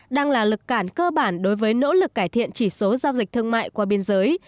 đang là lực cản cơ bản đối với nỗ lực cải thiện chỉ số giao dịch thương mại qua biên giới